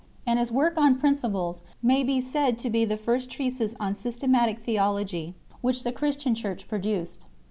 And his work on "Principles" (jrepl dp%oov) may_ be said to be the first treatise on systematic theology which the Christian Church produced.